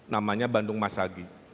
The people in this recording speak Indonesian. namanya bandung masagi